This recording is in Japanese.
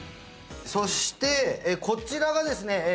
そしてこちらがですね